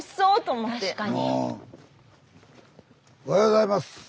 おはようございます。